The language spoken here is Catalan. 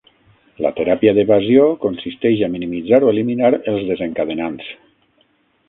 La teràpia d'evasió consisteix a minimitzar o eliminar els desencadenants.